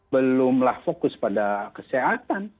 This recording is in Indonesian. belumlah fokus pada kesehatan